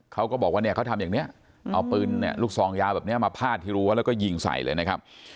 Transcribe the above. เขาก็บอกเอาปืนลูกซองยาวมาพาดที่รัวแล้วก็ยิงใส่เลยนะครับ